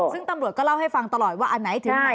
ซึ่งตำรวจก็เล่าให้ฟังตลอดว่าอันไหนถึงไหน